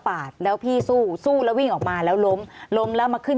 แล้วพี่สู้สู้แล้ววิ่งออกมาแล้วล้มล้มแล้วมาขึ้น